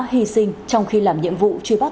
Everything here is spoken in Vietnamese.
hy sinh trong khi làm nhiệm vụ truy bắt